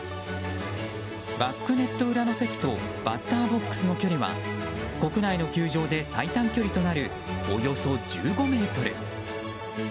バックネット裏の席とバッターボックスの距離は国内の球場で最短距離となるおよそ１５ｍ。